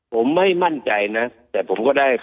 ผมไม่มั่นใจนะแต่ผมก็ได้